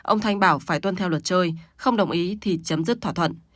ông thanh bảo phải tuân theo luật chơi không đồng ý thì chấm dứt thỏa thuận